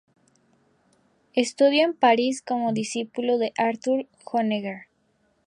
Estudió en París como discípulo de Arthur Honegger.